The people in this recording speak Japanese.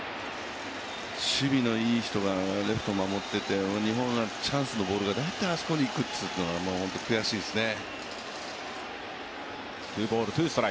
守備のいい人がレフト守ってて日本のチャンスのボールが大体あそこにいくというのが本当に悔しいですね。